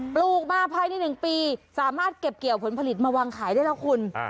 ปลูกมาภายใน๑ปีสามารถเก็บเกี่ยวผลผลิตมาวางขายได้แล้วคุณ